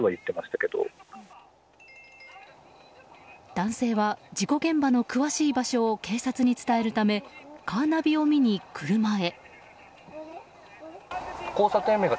男性は事故現場の詳しい場所を警察に伝えるためカーナビを見に車へ。